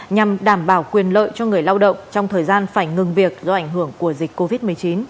nhằm đảm bảo quyền lợi cho người lao động trong thời gian phải ngừng việc do ảnh hưởng của dịch covid một mươi chín